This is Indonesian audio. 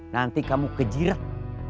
nanti kamu kejirat